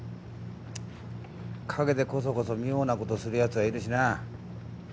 陰でコソコソ妙なことするヤツはいるしな。